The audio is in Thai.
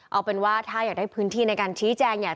เอาเป็นว่าถ้าอยากได้พื้นที่ในการชี้แจงเนี่ย